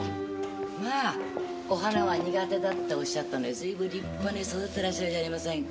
まぁお花は苦手だって仰ったのにずいぶん立派に育ててらっしゃるじゃありませんか。